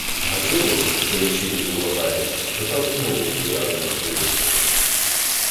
Гатило, вдаючи, ніби вагається, спитав знову болярина турицького: